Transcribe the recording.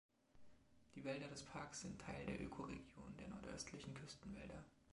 Die Wälder des Parks sind Teil der Ökoregion der nordöstlichen Küstenwälder.